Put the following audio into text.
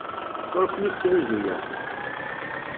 Ur ken-id-snuzuyeɣ.